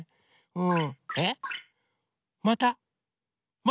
うん？